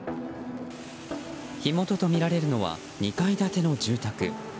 火元とみられるのは２階建ての住宅。